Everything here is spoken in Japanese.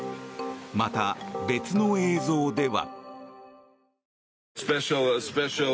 また、別の映像では。